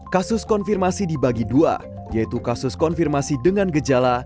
kasus konfirmasi dibagi dua yaitu kasus konfirmasi dengan gejala